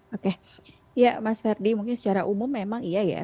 oke ya mas ferdi mungkin secara umum memang iya ya